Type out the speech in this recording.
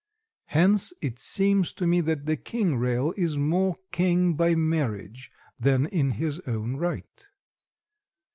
Hence it seems to me that the King Rail is more king by marriage than in his own right.